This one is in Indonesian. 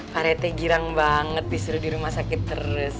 pak rt girang banget disuruh di rumah sakit terus